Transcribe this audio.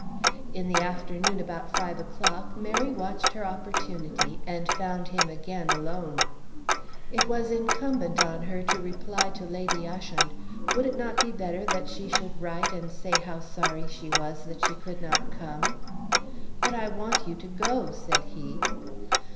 In the afternoon about five o'clock Mary watched her opportunity and found him again alone. It was incumbent on her to reply to Lady Ushant. Would it not be better that she should write and say how sorry she was that she could not come? "But I want you to go," said he.